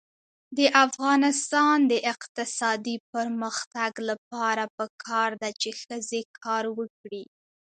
د افغانستان د اقتصادي پرمختګ لپاره پکار ده چې ښځې کار وکړي.